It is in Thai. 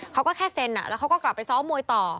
เขาก็แค่เซ็นแล้วเขาก็กลับไปซ้อมมวยต่อ